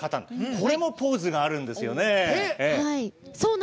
これもポーズがあるんですよね。